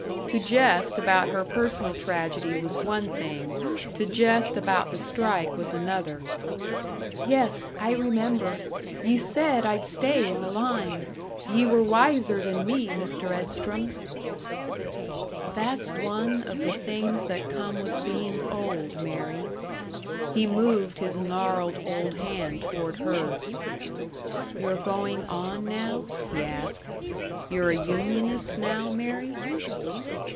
To jest about her personal tragedy was one thing, to jest about the strike was another. "Yes, I remember. Ye said I'd stay in the line! Ye were wiser than me, Mr. Edstrom." "That's one of the things that come with being old, Mary." He moved his gnarled old hand toward hers. "You're going on, now?" he asked. "You're a unionist now, Mary?"